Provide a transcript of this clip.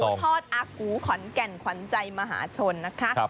ทอดอากูขอนแก่นขวัญใจมหาชนนะคะ